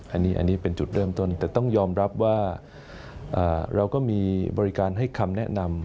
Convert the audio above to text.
อันนี้เป็นจุดเริ่มต้นแต่ต้องยอมรับว่าเราก็มีบริการให้คำแนะนำ